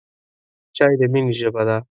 چای د مینې ژبه ده.